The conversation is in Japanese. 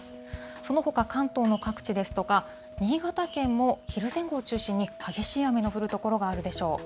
そのほか、関東の各地ですとか、新潟県も昼前後を中心に激しい雨の降る所があるでしょう。